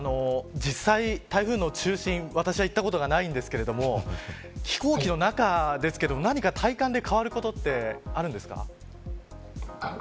実際、台風の中心私は行ったことがないんですけれども飛行機の中ですけど何か体感で変わることってあるんですか。